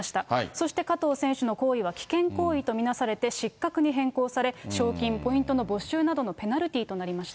そして加藤選手の行為は危険行為と見なされて、失格に変更され、賞金、ポイントの没収などのペナルティーとなりました。